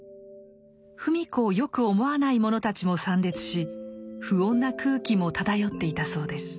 芙美子をよく思わない者たちも参列し不穏な空気も漂っていたそうです。